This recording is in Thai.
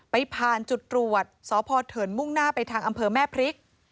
ไปผ่านจุดตรวจสพเถินมุ่งหน้าไปทางอำเภอแม่พริก